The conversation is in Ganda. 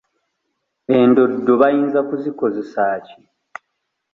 Endoddo bayinza kuzikozesa ki?